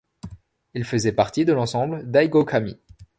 Il faisait partie de l'ensemble Daigo Kami.